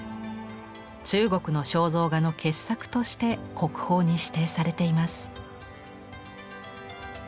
中国肖像画の傑作として国宝に指定されています。